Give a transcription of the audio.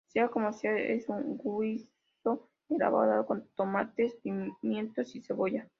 Sea como sea, es un guiso elaborado con tomates, pimientos y cebolla.